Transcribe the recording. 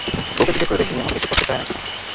বউকে জিজ্ঞেস করে দেখি, এমন কিছু করতে চায় নাকি।